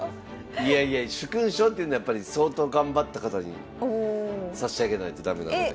いやいや殊勲賞っていうのはやっぱり相当頑張った方に差し上げないと駄目なので。